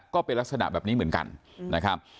ก็เป็นลักษณะแบบนี้เหมือนกันนะครับ